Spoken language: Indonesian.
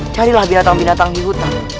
carilah binatang binatang di hutan